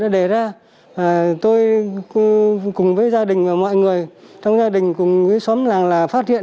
để ra tôi cùng với gia đình và mọi người trong gia đình cùng với xóm làng là phát hiện